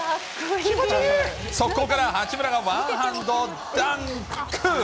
速攻から八村がワンハンドダンク。